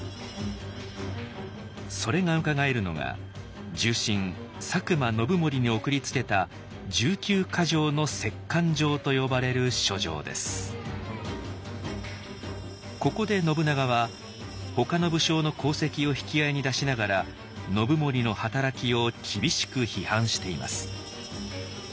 それがうかがえるのが重臣佐久間信盛に送りつけたここで信長はほかの武将の功績を引き合いに出しながら信盛の働きを厳しく批判しています。